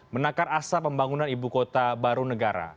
menakar asa pembangunan ibu kota baru negara